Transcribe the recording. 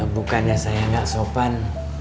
bukannya saya gak sopan